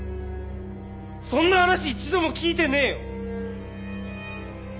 そんな話一度も聞いてねえよ！